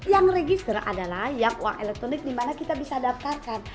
yang register adalah yang uang elektronik di mana kita bisa daftarkan